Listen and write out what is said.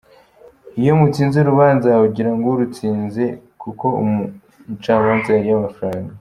Iyo mutsinze urubanza ugirango urutsinze kuko umucamanza yariye amafaranga.